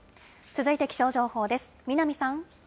続いて気象情報です。